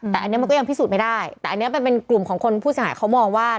แต่อันนี้มันก็ยังพิสูจน์ไม่ได้แต่อันนี้มันเป็นกลุ่มของคนผู้เสียหายเขามองว่า